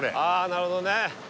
なるほどね